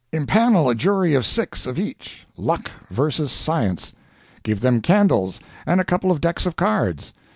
"Impanel a jury of six of each, Luck versus Science. Give them candles and a couple of decks of cards.